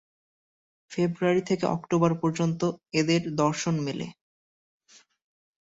ফেব্রুয়ারি থেকে অক্টোবর পর্যন্ত এদের দর্শন মেলে।